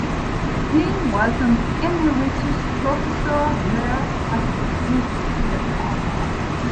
He was an emeritus professor there at this death.